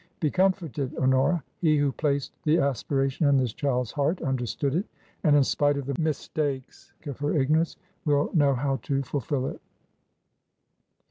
Be comforted, Honora. He who placed the aspiration in this child's heart understood it, and in spite of the mistakes of her ignorance, will know how to ful fil it."